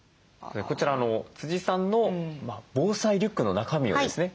こちらさんの防災リュックの中身ですね。